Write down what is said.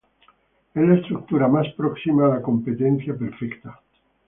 Es la estructura más próxima a la competencia perfecta.